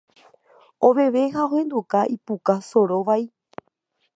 oveve ha ohenduka ipuka soro vai